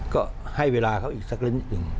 ก็ให้เวลาเขาอีกสักนิดหนึ่ง